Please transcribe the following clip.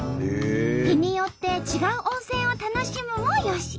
日によって違う温泉を楽しむもよし。